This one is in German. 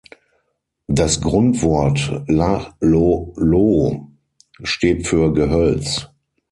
Das Grundwort "la, lo, loh" steht für Gehölz.